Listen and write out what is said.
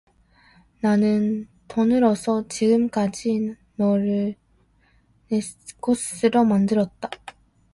나는 돈으로써 지금까지 너를 내것으로 만들었다.